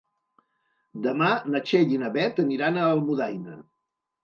Demà na Txell i na Beth aniran a Almudaina.